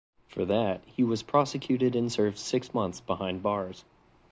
For that, he was prosecuted and served six months behind bars.